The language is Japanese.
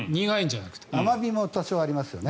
甘味も多少ありますよね。